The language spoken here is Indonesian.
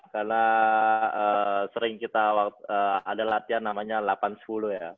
karena sering kita ada latihan namanya delapan sepuluh ya